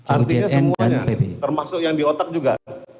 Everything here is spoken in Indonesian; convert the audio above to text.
artinya semuanya termasuk yang di otak juga